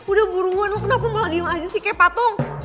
udah buruan aku kenapa diem aja sih kayak patung